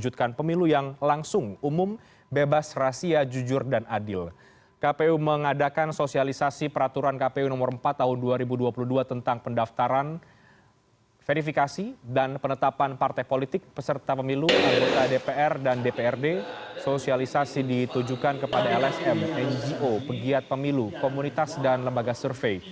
dpr dan dprd sosialisasi ditujukan kepada lsm ngo pegiat pemilu komunitas dan lembaga survei